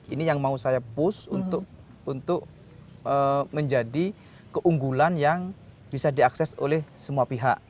ini yang mau saya push untuk menjadi keunggulan yang bisa diakses oleh semua pihak